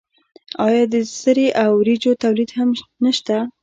آیا د سرې او وریجو تولید هم نشته؟